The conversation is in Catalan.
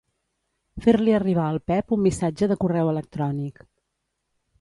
Fer-li arribar al Pep un missatge de correu electrònic.